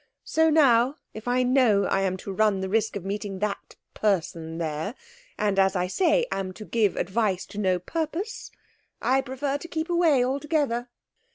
So now, if I know I am to run the risk of meeting that person there and, as I say, am to give advice to no purpose, I prefer to keep away altogether.'